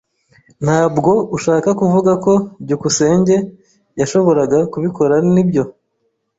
Ntabwo ushaka kuvuga ko byukusenge yashoboraga kubikora, nibyo?